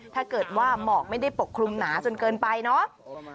ถ้าเกิดว่าหมอกไม่ได้ปกคลุมหนาจนเกินไปเนาะ